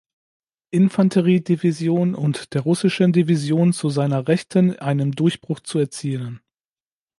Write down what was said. Infanteriedivision und der russischen Division zu seiner Rechten einen Durchbruch zu erzielen.